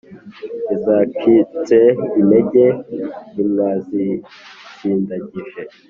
izacitse intege ntimwazisindagije